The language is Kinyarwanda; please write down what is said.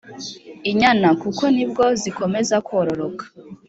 Inyana kuko nibwo zikomeza kororoka